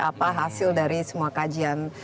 apa hasil dari semua kajian